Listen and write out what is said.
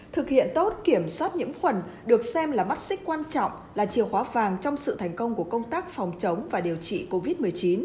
thực hiện tốt kiểm soát nhiễm khuẩn được xem là mắt xích quan trọng là chìa khóa vàng trong sự thành công của công tác phòng chống và điều trị covid một mươi chín